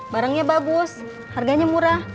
barangnya bagus harganya murah